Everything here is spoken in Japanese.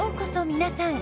皆さん。